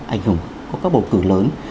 ảnh hưởng có các bầu cử lớn